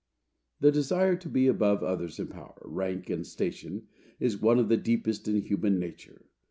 The desire to be above others in power, rank and station, is one of the deepest in human nature.